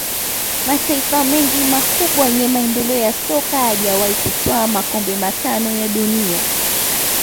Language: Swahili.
Mataifa mengi makubwa yenye maendeleo ya soka hayajawahi kutwaa makombe matano ya dunia